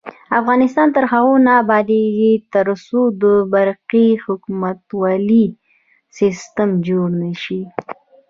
افغانستان تر هغو نه ابادیږي، ترڅو د برقی حکومتولي سیستم جوړ نشي.